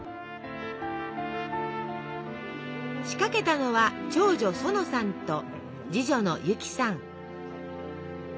仕掛けたのは長女・園さんと次女の由樹さん。